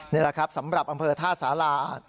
นี่แหละครับสำหรับอำเภอท่าสารา